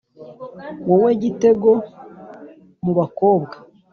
wowe gitego mu bakobwa?